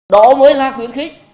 đó mới là khuyến khích